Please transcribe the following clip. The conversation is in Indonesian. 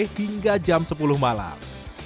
hingga jam sepuluh malam